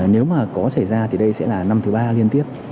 nếu mà có xảy ra thì đây sẽ là năm thứ ba liên tiếp